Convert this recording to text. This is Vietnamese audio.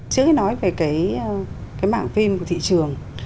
trước khi nói về cái mạng phim của thị trường